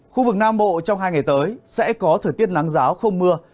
khu vực nam bộ trong hai ngày tới sẽ có thời tiết nắng giáo không mưa